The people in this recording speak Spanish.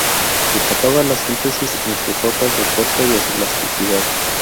Destacaba la síntesis en sus ropas de fuerza y elasticidad.